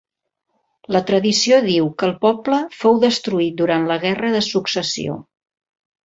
La tradició diu que el poble fou destruït durant la Guerra de Successió.